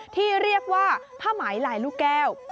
ที่เรียกว่าผ้าไหมลายลูกแก้ว